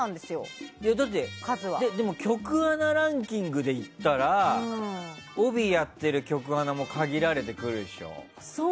局アナランキングでいったら帯をやってる局アナも限られてくるでしょ。